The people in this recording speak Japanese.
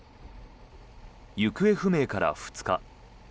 行方不明から２日。